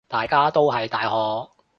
大家都係大學